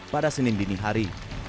pada senin dinihari